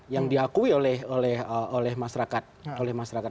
yang diakui oleh masyarakat